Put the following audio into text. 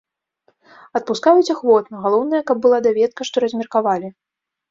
Адпускаюць ахвотна, галоўнае, каб была даведка, што размеркавалі.